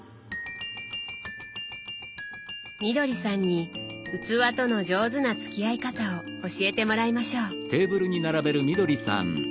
みどりさんに器との上手な付き合い方を教えてもらいましょう。